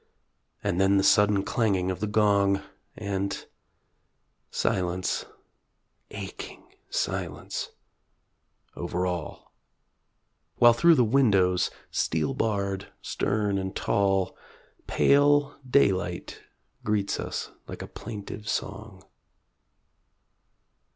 And then the sudden clanging of the gong, And ... silence ... aching silence ... over all; While through the windows, steel barred, stern and tall, Pale daylight greets us like a plaintive song.